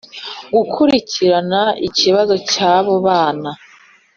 gukurikirana ikibazo cy abo bana